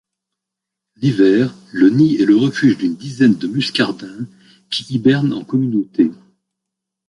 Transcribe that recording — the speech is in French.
L'hiver, le nid est le refuge d'une dizaine de muscardins qui hibernent en communauté.